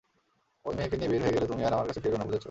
ঐ মেয়েকে নিয়ে বের হয়ে গেলে তুমি আর আমার কাছে ফিরবে না, বুঝেছ?